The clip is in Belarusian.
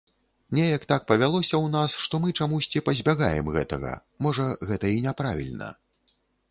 Неяк так павялося ў нас, што мы чамусьці пазбягаем гэтага, можа, гэта і няправільна.